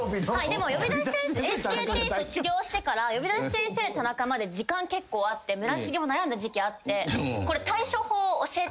でもＨＫＴ卒業してから『呼び出し先生タナカ』まで時間結構あって村重も悩んだ時期あって。